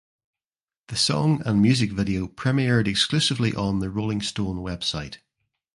The song and music video premiered exclusively on the "Rolling Stone" website.